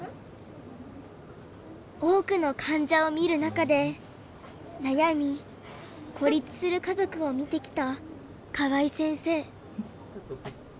多くの患者を診る中で悩み孤立する家族を見てきた河合先生。